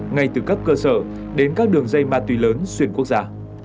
ngay từ cấp cơ sở đến các đường dây ma túy lớn xuyên quốc gia